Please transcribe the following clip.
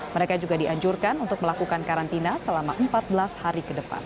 mereka juga dianjurkan untuk melakukan karantina selama empat belas hari ke depan